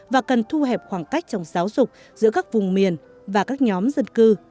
và cần thu hẹp khoảng cách trong giáo dục giữa các vùng miền và các nhóm dân cư